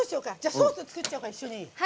ソース作っちゃおうか、一緒に。